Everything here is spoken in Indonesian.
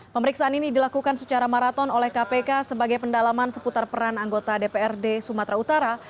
pemeriksaan ini dilakukan secara maraton oleh kpk sebagai pendalaman seputar peran anggota dprd sumatera utara